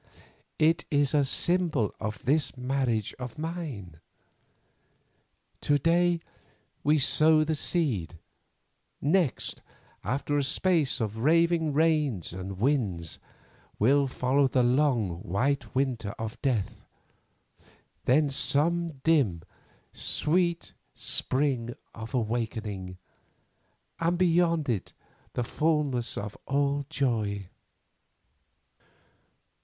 It is a symbol of this marriage of mine. To day we sow the seed; next, after a space of raving rains and winds, will follow the long, white winter of death, then some dim, sweet spring of awakening, and beyond it the fulness of all joy.